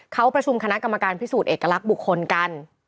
เขาประชุมคณะกรรมการพิสูจนเอกลักษณ์บุคคลกัน